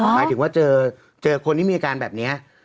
หมายถึงว่าเจอคนที่มีอาการแบบนี้